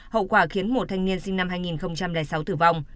hậu quả khiến một thanh niên sinh năm hai nghìn sáu tử vong